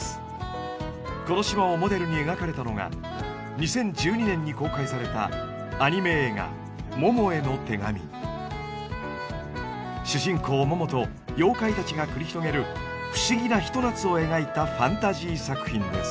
この島をモデルに描かれたのが２０１２年に公開されたアニメ映画主人公ももと妖怪たちが繰り広げる不思議なひと夏を描いたファンタジー作品です。